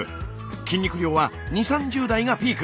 筋肉量は２０３０代がピーク。